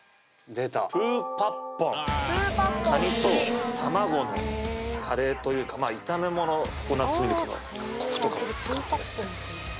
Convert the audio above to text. あっカニと卵のカレーというかまぁ炒め物ココナツミルクのコクとかを使ったですね